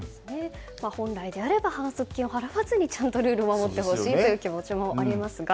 本来であれば反則金を払わずにルールを守ってほしいという気持ちもありますが。